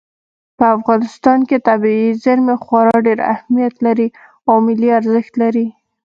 په افغانستان کې طبیعي زیرمې خورا ډېر زیات اهمیت او ملي ارزښت لري.